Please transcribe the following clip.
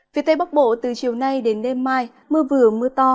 phía tây bắc bộ từ chiều nay đến đêm mai mưa vừa mưa to